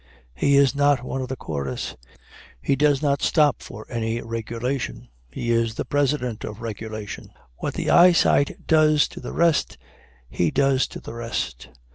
He is not one of the chorus he does not stop for any regulation he is the president of regulation. What the eyesight does to the rest, he does to the rest.